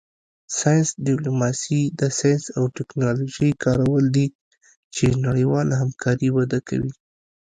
ساینس ډیپلوماسي د ساینس او ټیکنالوژۍ کارول دي چې نړیواله همکاري وده کوي